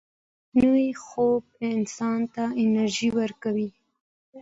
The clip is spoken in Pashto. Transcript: نوی خوب انسان ته انرژي ورکوي